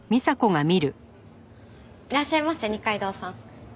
いらっしゃいませ二階堂さん。